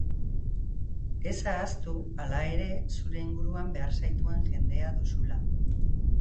Ez ahaztu, hala ere, zure inguruan behar zaituen jendea duzula.